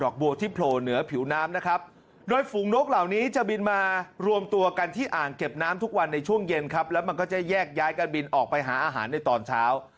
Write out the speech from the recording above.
การบินออกไปหาอาหารในตอนเช้า